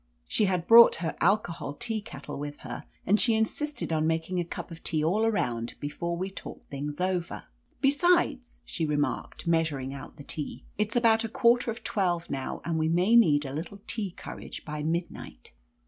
She had brought her alcohol tea kettle with her, and she insisted on making a cup of tea all around before we talked things over. "Besides," she remarked, measuring out the tea, "it's about a quarter of twelve now, and we may need a little tea courage by midnight."